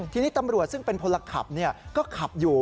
ทีนี้ตำรวจซึ่งเป็นพลขับก็ขับอยู่